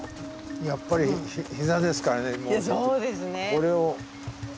これを。